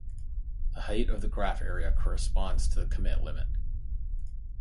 The height of the graph area corresponds to the commit limit.